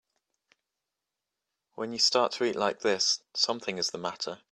When you start to eat like this something is the matter.